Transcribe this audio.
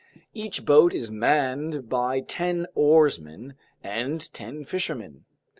Each boat is manned by ten oarsmen and ten fishermen.